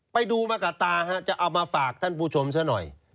ไปดูมากับตาฮะจะเอามาฝากท่านผู้ชมซะหน่อย